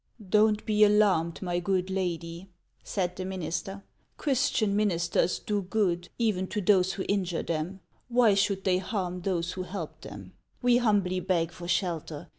" Don't be alarmed, my good lady," said the minister. " Christian ministers do good even to those who injure them ; why should they harm those who help them ? We humbly beg for shelter.